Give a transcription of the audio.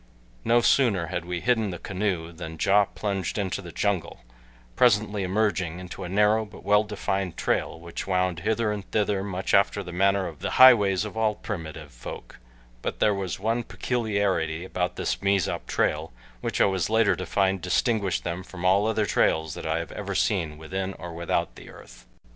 No sooner had we hidden the canoe than Ja plunged into the jungle, presently emerging into a narrow but well defined trail which wound hither and thither much after the manner of the highways of all primitive folk, but there was one peculiarity about this Mezop trail which I was later to find distinguished them from all other trails that I ever have seen within or without the earth.